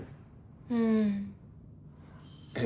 うん。え？